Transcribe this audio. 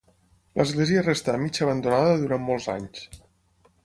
L'església restà mig abandonada durant molts anys.